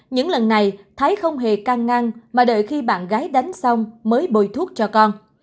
những lần này thái không hề can ngăn mà đợi khi bạn gái đánh xong mới bồi thuốc cho con